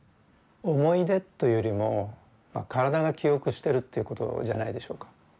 思い出というよりも体が記憶してるということじゃないでしょうか。